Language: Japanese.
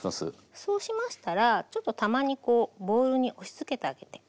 そうしましたらちょっとたまにこうボウルに押しつけてあげて。